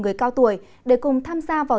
người cao tuổi để cùng tham gia vào